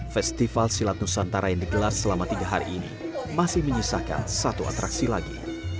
festival silat nusantara yang digelar selama tiga hari ini masih menyisakan satu atraksi lagi